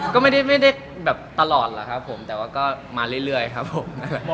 ก็ไม่ได้แบบตลอดแต่ว่าก็มาเรื่อยครับผม